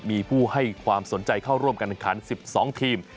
มีผู้ให้ความสนใจเข้าร่วมการแข่งขัน๑๒ทีม